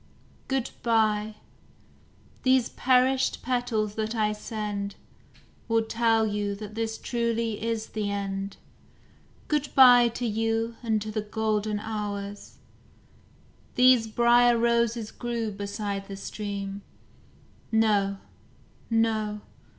Good bye! these perished petals that I send Will tell you that this truly is the end; Good bye to you and to the golden hours. These briar roses grew beside the stream No, no!